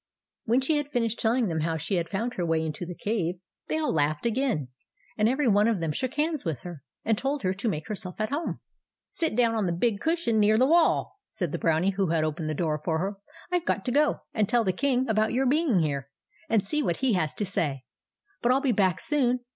When she had finished telling them how she had found her way into the cave, they all laughed again ; and every one of them shook hands with her, and told her to make herself at home. THE BROWNIE JELLY 187 " Sit down on the big cushion near the wall," said the Brownie who had opened the door for her. " I Ve got to go and tell the King about your being here, and see what he has to say ; but I '11 be back soon.